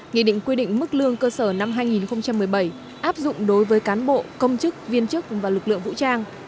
nghị định quy định mức lương cơ sở năm hai nghìn một mươi bảy áp dụng đối với cán bộ công chức viên chức và lực lượng vũ trang